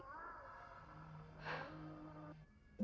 aku akan meminta kutipanmu